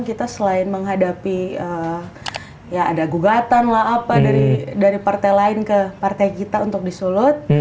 kita selain menghadapi ya ada gugatan lah apa dari partai lain ke partai kita untuk disulut